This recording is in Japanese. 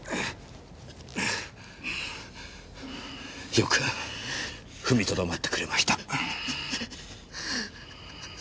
よく踏みとどまってくれました。